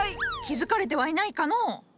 気付かれてはいないかのう？